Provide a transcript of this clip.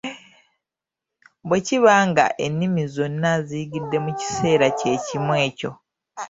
Bwe kiba nga ennimi zonna aziyigidde mu kiseera kye kimu ekyo.